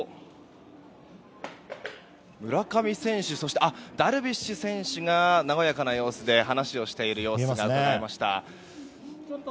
村上選手、ダルビッシュ選手が和やかな様子で話をしている様子が伺えました。